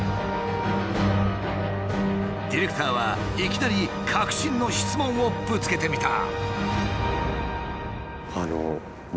ディレクターはいきなり核心の質問をぶつけてみた。